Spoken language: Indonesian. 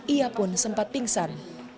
ia pun sempat pingsan